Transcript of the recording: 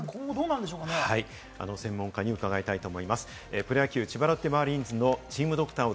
専門家に伺いたいと思います。